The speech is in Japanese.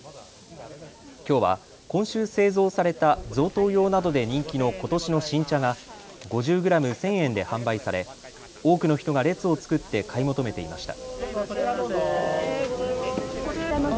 きょうは今週、製造された贈答用などで人気のことしの新茶が５０グラム１０００円で販売され多くの人が列を作って買い求めていました。